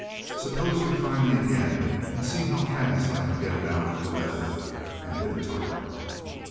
Suppose you try me again and see how fast I can get it out of the leather and hit a target."